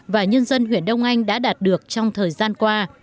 và nhân dân huyện đông anh đã đạt được trong thời gian qua